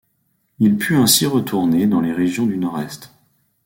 Il put ainsi retourner dans les régions du nord-est.